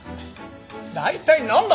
大体なんだ？